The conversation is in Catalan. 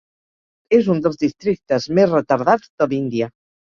És un dels districtes més retardats de l'Índia.